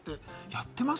やってます？